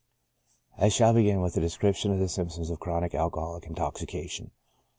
I shall begin with a description of the symptoms of chronic alcoholic intoxication.